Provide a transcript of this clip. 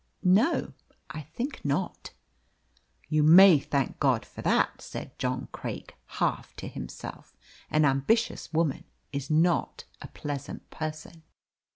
"No, I think not." "You may thank God for that," said John Craik, half to himself. "An ambitious woman is not a pleasant person."